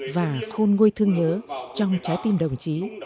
và khôn nguôi thương nhớ trong trái tim đồng chí